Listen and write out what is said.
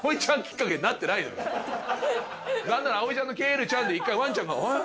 何ならアオイちゃんの「ケルちゃん」で１回ワンちゃんがえっ？